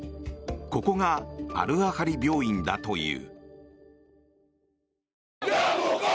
ここがアル・アハリ病院だという。